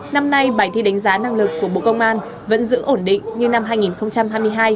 năm nay bài thi đánh giá năng lực của bộ công an vẫn giữ ổn định như năm hai nghìn hai mươi hai